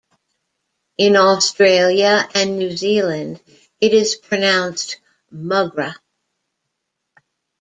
In Australia and New Zealand it is pronounced "MuhGrah".